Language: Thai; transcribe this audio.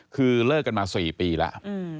คือเลิกกันมา๔ปีแล้ว